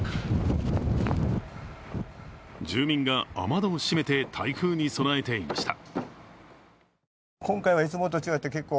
住民が雨戸を閉めて、台風に備えていました。